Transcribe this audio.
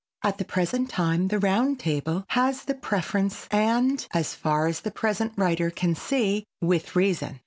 At the present time the round table has the preference and, as far as the present writer can see, with reason.